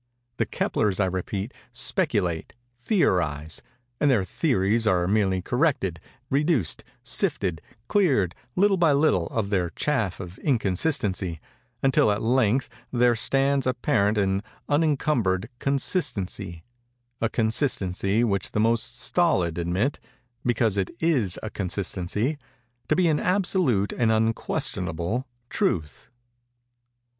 The Keplers, I repeat, speculate—theorize—and their theories are merely corrected—reduced—sifted—cleared, little by little, of their chaff of inconsistency—until at length there stands apparent an unencumbered Consistency—a consistency which the most stolid admit—because it is a consistency—to be an absolute and an unquestionable Truth.